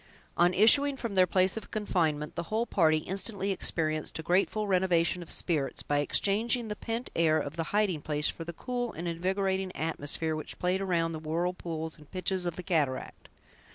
On issuing from their place of confinement, the whole party instantly experienced a grateful renovation of spirits, by exchanging the pent air of the hiding place for the cool and invigorating atmosphere which played around the whirlpools and pitches of the cataract.